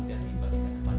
berjalan terus berjalan